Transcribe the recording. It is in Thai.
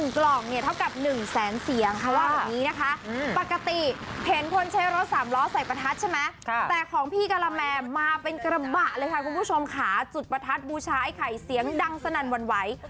กระบะเลยค่ะคุณผู้ชมจุดประทัดบูชาไอ้ไข่เสียงดังสนันวรรณไว้